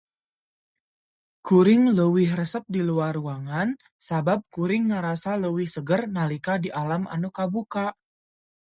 Kuring leuwih resep di luar ruangan sabab kuring ngarasa leuwih seger nalika di alam anu kabuka.